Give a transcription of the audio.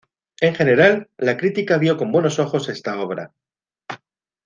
En general, la crítica vio con buenos ojos esta obra.